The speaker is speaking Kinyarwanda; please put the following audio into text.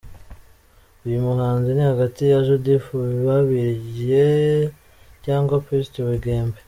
uyu muhanzi ni hagati ya Judith Babirye cyangwa Pst Bugembe.